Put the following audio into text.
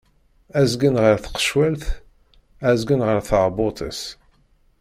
Azgen ɣer tqecwalt, azgen ɣer tɛebbuṭ-is.